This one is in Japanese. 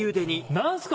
何すか？